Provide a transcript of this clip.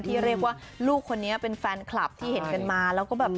ที่เรียกว่าลูกคนนี้เป็นแฟนคลับที่เห็นกันมา